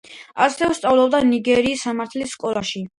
ასევე სწავლობდა ნიგერიის სამართლის სკოლაში.